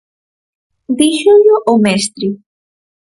Díxollo o mestre.